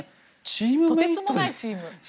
とてつもないチーム。